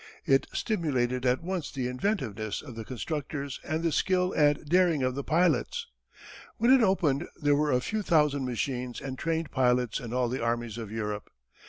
It stimulated at once the inventiveness of the constructors and the skill and daring of the pilots. When it opened there were a few thousand machines and trained pilots in all the armies of Europe.